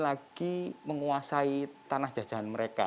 lagi menguasai tanah jajahan mereka